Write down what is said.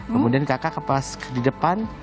kemudian kakak ke pas di depan